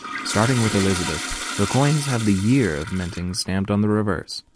Starting with Elizabeth, the coins have the year of minting stamped on the reverse.